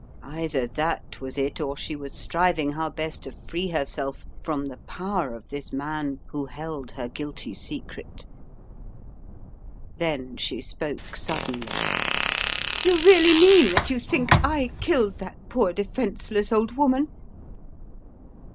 Either that was it, or she was striving how best to free herself from the power of this man who held her guilty secret. Then she spoke suddenly. "You really mean that you think I killed that poor defenseless old woman?